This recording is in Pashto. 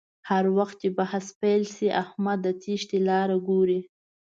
هر وخت چې بحث پیل شي احمد د تېښتې لاره گوري